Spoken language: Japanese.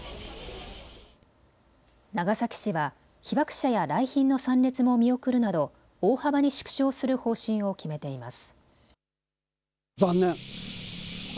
長崎市は被爆者や来賓の参列も見送るなど大幅に縮小する方針を決めています。